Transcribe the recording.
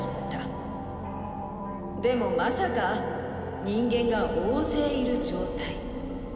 でもまさか人間が大勢いる状態